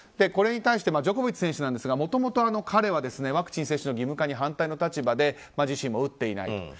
これに対してジョコビッチ選手はもともとワクチン接種義務化に反対の立場で自身も打っていない。